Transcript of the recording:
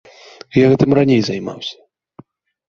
Я гэтым раней займаўся.